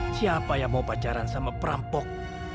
siapa yang mau pacaran sama perampok